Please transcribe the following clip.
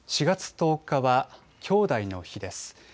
４月１０日はきょうだいの日です。